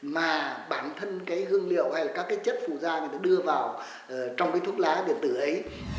mà bản thân cái hương liệu hay là các cái chất phù gia người ta đưa vào trong cái thuốc lá điện tử ấy